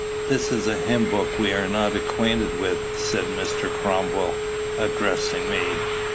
"This is a hymn book we are not acquainted with," said Mr. Cromwell, addressing me.